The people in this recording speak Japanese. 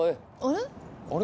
あれ？